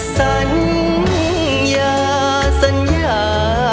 สัญญาสัญญา